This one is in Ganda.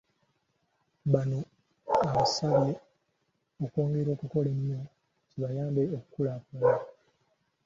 Bano abasabye okwongera okukola ennyo kibayambe okukulaakulana.